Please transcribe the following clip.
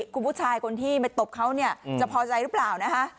คุณผู้ชายคนที่มาตบเขาจะพอใจหรือเปล่า